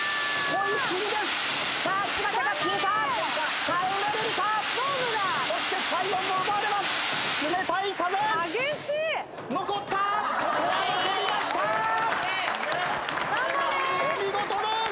お見事です。